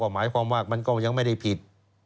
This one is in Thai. หมายความว่ามันก็ยังไม่ได้ผิด